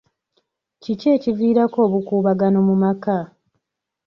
Kiki ekiviirako obukuubagano mu maka?